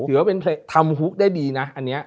ถือว่าเป็นเพลงทำฮุกได้ดีนะอันนี้